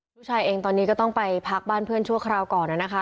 ลูกชายเองตอนนี้ก็ต้องไปพักบ้านเพื่อนชั่วคราวก่อนนะคะ